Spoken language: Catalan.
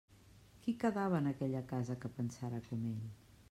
Qui quedava en aquella casa que pensara com ell?